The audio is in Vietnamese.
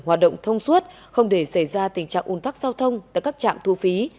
hoạt động thông suốt không để xảy ra tình trạng ủn tắc giao thông tại các trạm thu phí